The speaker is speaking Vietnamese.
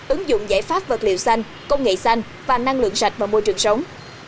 ứng dụng giải pháp vật liệu xanh công nghệ xanh và năng lượng sạch vào môi trường sống